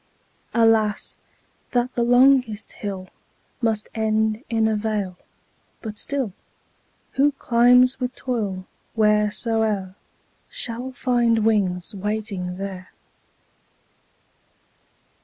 20 Alas, that the longest hill Must end in a vale; but still, Who climbs with toil, wheresoe'er, Shall find wings waiting there.